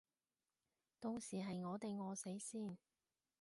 到時係我哋餓死先